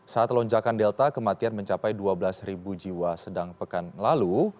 saat lonjakan delta kematian mencapai dua belas jiwa sedang pekan lalu